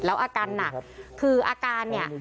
แล้วอาการหนักคืออาการเนี่ย